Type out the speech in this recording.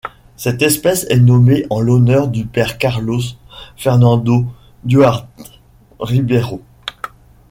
Cette espèce est nommée en l'honneur du père Carlos Fernando Duarte Ribeiro.